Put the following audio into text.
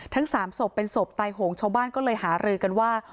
ทั้ง๓ศพเป็นศพตายโหงชาวบ้านก็เลยหารือกันว่า